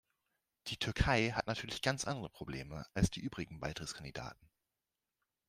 Die Türkei hat natürlich ganz andere Probleme als die übrigen Beitrittskandidaten.